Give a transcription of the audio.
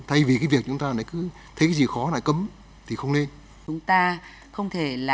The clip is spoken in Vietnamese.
thay vì cái việc chúng ta thấy gì khó lại cấm thì không nên